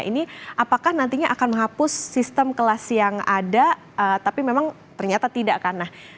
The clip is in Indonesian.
ini apakah nantinya akan menghapus sistem kelas yang ada tapi memang ternyata tidak kan